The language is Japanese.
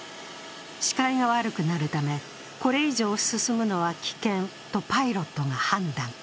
視界が悪くなるため、これ以上、進むのは危険とパイロットが判断。